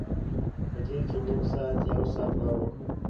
په دې کې نیم ساعت، یو ساعت واوښت.